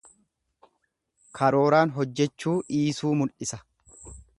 Karooraan hojechuu dhiisuu mul'isa.